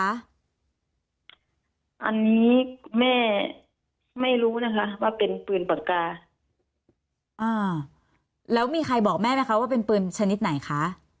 อันนี้แม่ไม่รู้นะคะว่าเป็นปืนปากกาอ่าแล้วมีใครบอกแม่ไหมคะว่าเป็นปืนชนิดไหนคะ